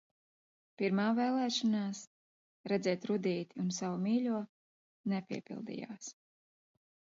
Pirmā vēlēšanās, redzēt Rudīti un savu mīļo nepiepildījās.